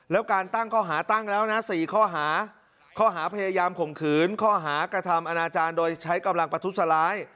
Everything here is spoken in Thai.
แล้วการตั้งข้อหาตั้งแล้วนะ๔ข้อหาข้อหาพยายามข่มขืนข้อหากระทำอนาจารย์โดยใช้กำลังประทุษร้าย